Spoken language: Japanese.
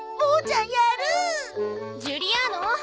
ジュリアーノ！